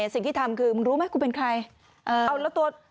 สิ่งที่ทำคือมึงรู้ไหมกูเป็นใคร